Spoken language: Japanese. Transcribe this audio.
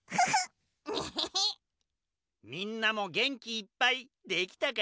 みんなもげんきいっぱいできたかな？